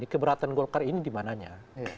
keberatan golkar ini dimananya